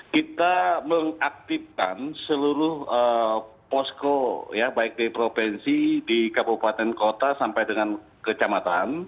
kita mengaktifkan seluruh posko ya baik di provinsi di kabupaten kota sampai dengan kecamatan